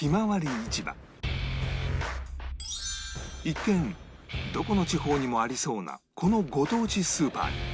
一見どこの地方にもありそうなこのご当地スーパーに